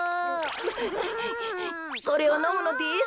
これをのむのです。